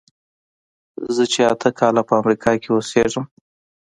زه چې اته کاله په امریکا کې اوسېږم.